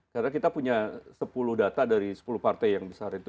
karena kita punya sepuluh data dari sepuluh partai yang besar itu